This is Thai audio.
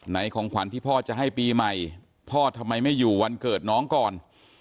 ของขวัญที่พ่อจะให้ปีใหม่พ่อทำไมไม่อยู่วันเกิดน้องก่อน